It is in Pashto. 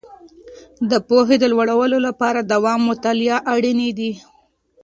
د پوهې د لوړولو لپاره مداوم مطالعه اړینې دي.